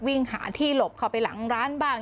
วิ่งหาที่หลบเข้าไปหลังร้านบ้าง